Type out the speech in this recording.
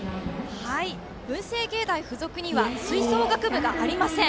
文星芸大付属には吹奏楽部がありません。